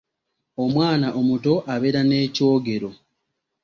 Omwana omuto abeera ne kyogero.